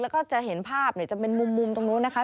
แล้วก็จะเห็นภาพจะเป็นมุมตรงนู้นนะคะ